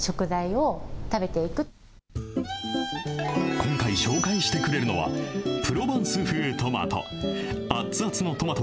今回紹介してくれるのは、プロバンス風トマト。